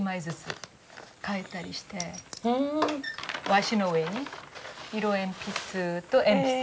和紙の上に色鉛筆と鉛筆です。